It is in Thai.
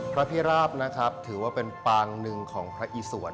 พระพิราบนะครับถือว่าเป็นปางหนึ่งของพระอีสวน